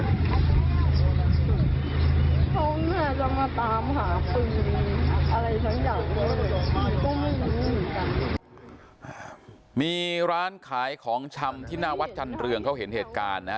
ผมแค่จะมาตามหาปืนอะไรสักอย่างก็ไม่รู้เหมือนกันมีร้านขายของชำที่หน้าวัดจันรื่องเขาเห็นเหตุการณ์นะฮะ